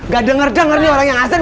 gak denger dengerni orang yang azan